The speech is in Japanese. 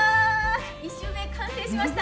１週目、完成しました。